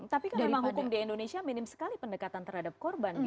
tapi kan memang hukum di indonesia minim sekali pendekatan terhadap korban